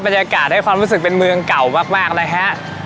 ได้ความรู้สึกเป็นเมืองเก่ามากนะฮะ